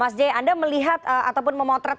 mas jaya anda melihat ataupun memotret